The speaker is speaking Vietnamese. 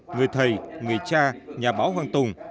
người thầy người cha nhà báo hoàng tùng